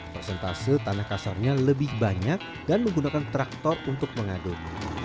persentase tanah kasarnya lebih banyak dan menggunakan traktor untuk mengaduk